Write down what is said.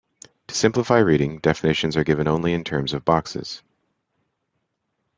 To simplify reading, definitions are given only in terms of boxes.